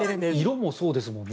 色もそうですもんね。